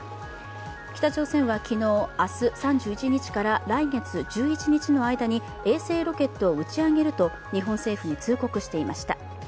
北朝鮮は昨日、明日３１日から来月１１日の間に衛星ロケットを打ち上げると日本政府に通告していました。